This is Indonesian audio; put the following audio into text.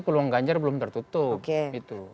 peluang ganjar belum tertutup